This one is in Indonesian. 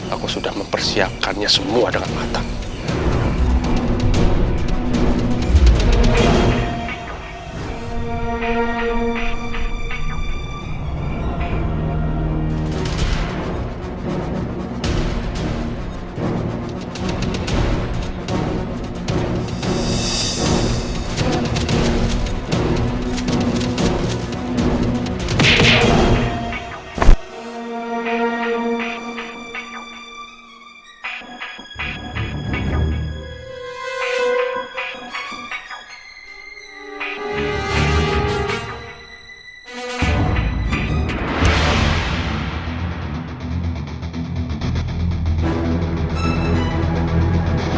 aku sudah mempersiapkannya semua dengan matang